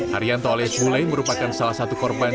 haryanto alias bule merupakan salah satu korban